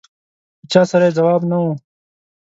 له چا سره یې ځواب نه و.